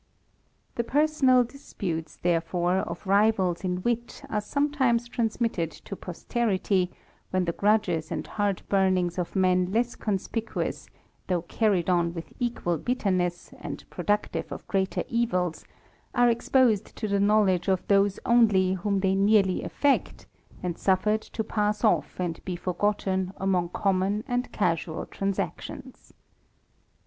The personal disputes, therefore, of rivals in wit are sometimes transmitted to posterity, when the grudges and heart burnings of men less conspicuous, though carried on with equal bitterness, and productive of greater evils, are exposed to the knowledge of those only whom they nearly affect, and suffered to pass off and be forgotten among common and casual transactions.